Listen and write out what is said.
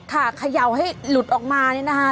ค่ะขย่าวให้หลุดออกมาเนี่ยนะคะ